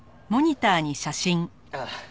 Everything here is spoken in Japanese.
ああ。